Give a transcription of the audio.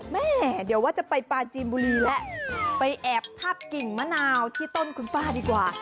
แม่เดี๋ยวว่าจะไปปลาจีนบุรีแล้วไปแอบทับกิ่งมะนาวที่ต้นคุณป้าดีกว่า